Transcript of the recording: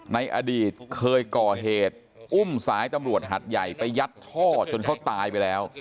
ในอดีตเคยก่อเหตุอุ้มสายตำรวจหัดใหญ่ไปยัดท่อจนเขาตายไปแล้ว